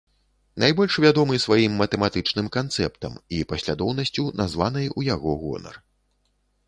Найбольш вядомы сваім матэматычным канцэптам, і паслядоўнасцю, названай у яго гонар.